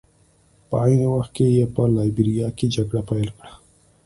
په عین وخت کې یې په لایبیریا کې جګړه پیل کړه.